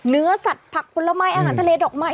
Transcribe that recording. เนื้อสัตว์ผักผลไม้อาหารทะเลดอกใหม่